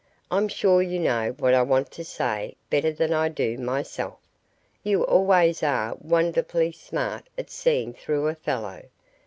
I'm sure you know what I want to say better than I do myself. You always are wonderfully smart at seeing through a fellow.